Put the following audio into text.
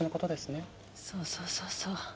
そうそうそうそう。